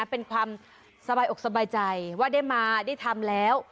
เป็นความสบายอกสบายใจว่าได้มาได้ทำแล้ว